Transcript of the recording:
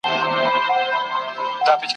نصیب درکړې داسي لمن ده !.